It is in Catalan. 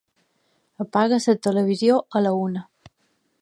Apaga el televisor a la una.